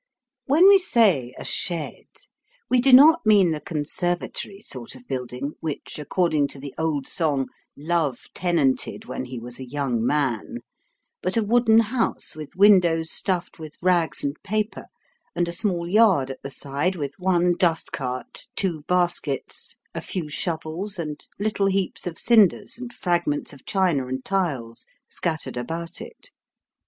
When we say a " shed," we do not mean the conservatory sort of building, which, according to the old song, Love tenanted when ho was a young man, but a wooden house with windows stuffed with rags and paper, and a small yard at the side with one dust cart, two baskets, a few shovels, and little heaps of cinders, and fragments of china and tiles, scattered about it.